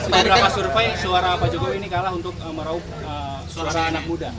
sebelum berapa survei suara pak jokowi ini kalah untuk merauk suara anak muda